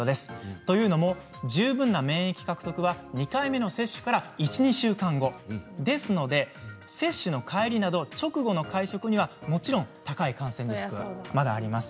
というのも十分な免疫獲得は２回目の接種から１、２週間後ですので接種の帰りなど直後の会食にはもちろん高い感染リスクがまだあります。